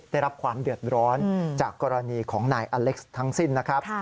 ได้รับความเดือดร้อนจากกรณีของนายอเล็กซ์ทั้งสิ้นนะครับ